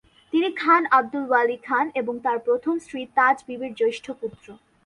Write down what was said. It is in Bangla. তিনি খান আব্দুল ওয়ালী খান এবং তার প্রথম স্ত্রী তাজ বিবির জ্যেষ্ঠ পুত্র।